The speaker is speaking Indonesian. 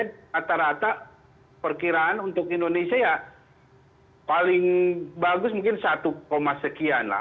rata rata perkiraan untuk indonesia ya paling bagus mungkin satu sekian lah